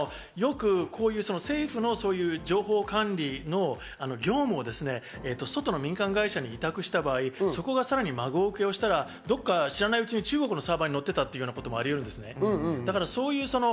一点ね、政府の情報管理の業務を外の民間会社に委託した場合、そこがさらに孫請けをしたら、どこか知らない中国のサーバにのっていたということがあるんです。